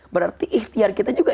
berarti ihtiar kita juga